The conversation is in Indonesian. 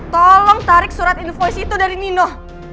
tolong tarik surat invoice itu dari nino